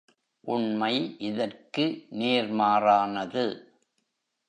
உண்மை இதற்கு நேர்மாறானது.